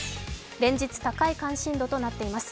連日、高い関心度となっています。